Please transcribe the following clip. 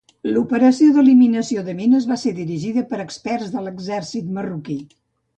L'operació d'eliminació de mines va ser dirigida per experts de l'exèrcit marroquí.